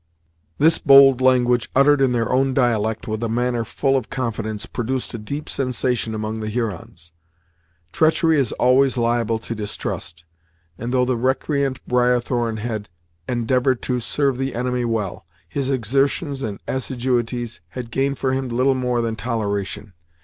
This bold language, uttered in their own dialect and with a manner full of confidence, produced a deep sensation among the Hurons. Treachery is always liable to distrust, and though the recreant Briarthorn had endeavoured to serve the enemy well, his exertions and assiduities had gained for him little more than toleration.